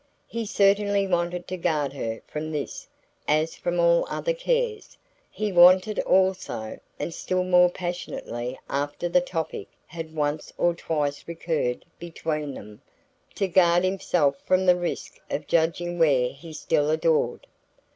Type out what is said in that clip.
He certainly wanted to guard her from this as from all other cares; he wanted also, and still more passionately after the topic had once or twice recurred between them, to guard himself from the risk of judging where he still adored.